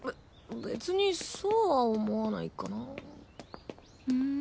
べ別にそうは思わないかなぁ。